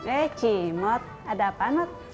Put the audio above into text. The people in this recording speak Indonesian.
eh cimot ada apa mot